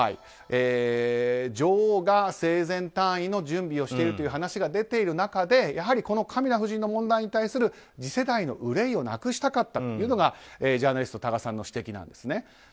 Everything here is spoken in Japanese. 女王が生前退位の準備をしているという話が出ている中でカミラ夫人の問題に対する次世代の憂いをなくしたかったというのがジャーナリスト多賀さんの指摘なんですね。